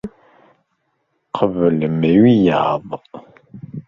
Qebblem wiyaḍ.